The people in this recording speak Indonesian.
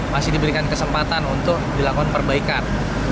masih diberikan kesempatan untuk dilakukan perbaikan